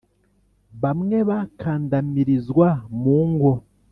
bamwe bakandamirizwa mu ngo,